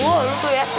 wow lu tuh ya